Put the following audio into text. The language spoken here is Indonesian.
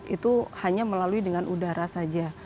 itu hanya melalui dengan udara saja